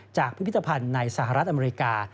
พิพิธภัณฑ์ในสหรัฐอเมริกา